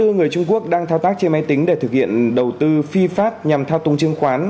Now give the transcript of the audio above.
ba mươi bốn người trung quốc đang thao tác trên máy tính để thực hiện đầu tư phi pháp nhằm thao tung chứng khoán